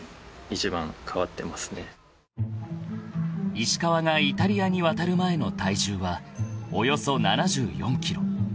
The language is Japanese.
［石川がイタリアに渡る前の体重はおよそ７４ｋｇ］